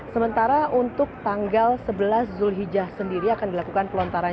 sementara untuk tanggal sebelas zulhijjah sendiri akan dilakukan pelontaran